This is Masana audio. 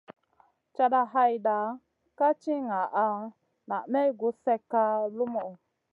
Cata hayta ka ti ŋaʼa naa may gus slèkka lumuʼu.